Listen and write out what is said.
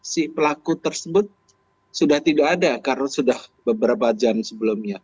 si pelaku tersebut sudah tidak ada karena sudah beberapa jam sebelumnya